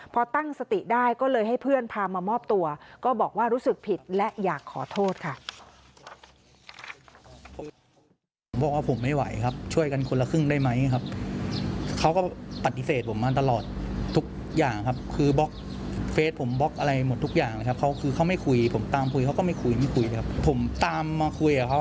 พอตั้งสติได้ก็เลยให้เพื่อนพามามอบตัว